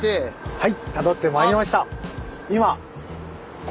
はい。